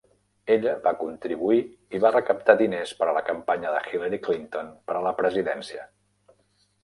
Ella va contribuir i va recaptar diners per a la campanya de Hillary Clinton per a la presidència.